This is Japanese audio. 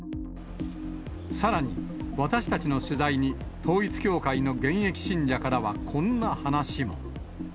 さらに、私たちの取材に、統一教会の現役信者からはこんな話も。